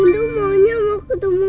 untuk maunya mau ketemu mama